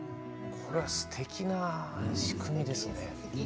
すてきな仕組みですね。